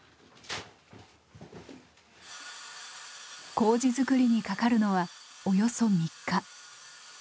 麹づくりにかかるのはおよそ３日。